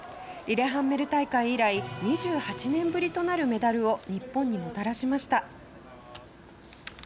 リレハンメル大会以来２８年ぶりとなるメダルを日本にもたらしました。